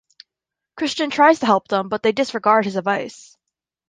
Christian tries to help them, but they disregard his advice.